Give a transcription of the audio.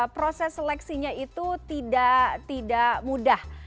proses seleksinya itu tidak mudah